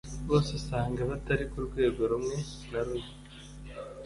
bose usanga batari ku rwego rumwe na Rooney